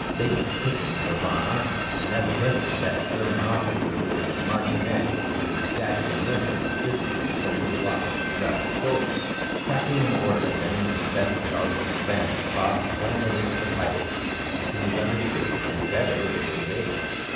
They mistook him for Von Arnheim and evidently that German officer was a martinet who exacted a measure of discipline from the slovenly rebel soldiers. Cracking an order at them in his best garbled Spanish, Bob clambered into the pilot's seat. He was understood, and better, was obeyed.